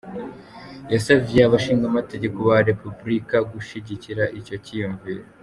Yasavye abashingamateka b'aba Républicains gushigikira ico ciyumviro.